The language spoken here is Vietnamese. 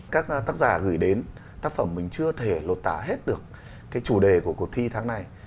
các tác giả gửi đến tác phẩm mình chưa thể lột tả hết được cái chủ đề của cuộc thi tháng này